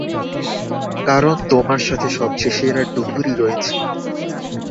কারণ তোমার সাথে সবচেয়ে সেরা ডুবুরি রয়েছে।